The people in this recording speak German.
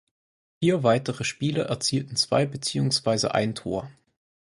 Vier weitere Spieler erzielten zwei beziehungsweise ein Tor.